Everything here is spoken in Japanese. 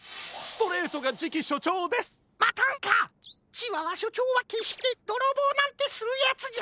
チワワしょちょうはけっしてどろぼうなんてするヤツじゃない！